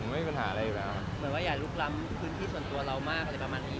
ไม่ต้องแอบถ่ายก็ได้